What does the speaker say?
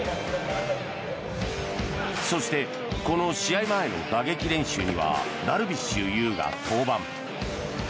そして、この試合前の打撃練習にはダルビッシュ有が登板。